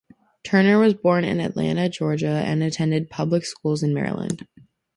Turner was born in Atlanta, Georgia, and attended public schools in Maryland.